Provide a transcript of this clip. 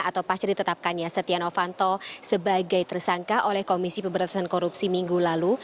atau pasca ditetapkannya setia novanto sebagai tersangka oleh komisi pemberantasan korupsi minggu lalu